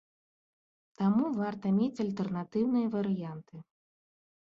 Таму варта мець альтэрнатыўныя варыянты.